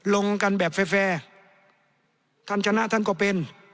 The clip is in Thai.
ลงกันแบบแฟร์ท่านชนะท่านก็เป็น